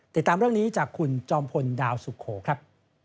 ติดตามเรื่องนี้จากคุณจอมพลดาวสุโขครับ